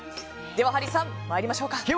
ではハリーさん、参りましょうか。